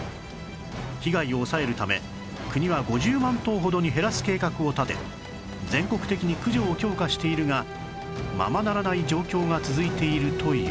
被害を抑えるため国は５０万頭ほどに減らす計画を立て全国的に駆除を強化しているがままならない状況が続いているという